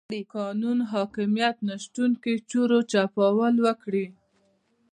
قانون حاکميت نشتون کې چور چپاول وکړي.